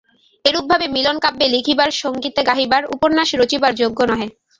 এরূপভাবে মিলন কাব্যে লিখিবার, সংগীতে গাহিবার, উপন্যাসে রচিবার যোগ্য নহে।